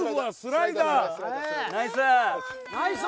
ナイス！